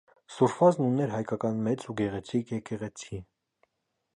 Սուրֆազն ուներ հայկական մեծ ու գեղեցիկ եկեղեցի։